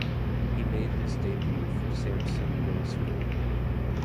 He made his debut for Samsun Yolspor.